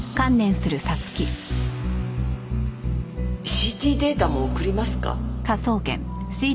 ＣＴデータも送りますか？